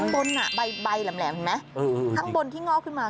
ตั้งบนอะใบแหลมเห็นไหมทั้งบนที่งอกขึ้นมา